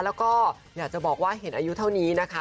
แล้วก็อยากจะบอกว่าเห็นอายุเท่านี้นะคะ